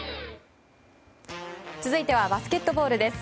続いてはバスケットボールです。